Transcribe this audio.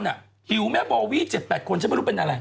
หิวแม่บอวี๗๘คน